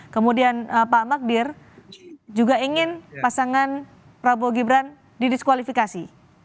kemudian pak magdir juga ingin pasangan prabowo gibran didiskualifikasi